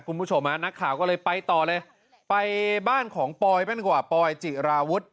คุณผู้ชมฮะนักข่าวก็เลยไปต่อเลยไปบ้านของปอยบ้างดีกว่าปอยจิราวุฒิ